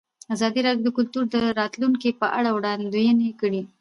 ازادي راډیو د کلتور د راتلونکې په اړه وړاندوینې کړې.